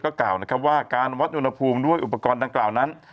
กล่าวนะครับว่าการวัดอุณหภูมิด้วยอุปกรณ์ดังกล่าวนั้น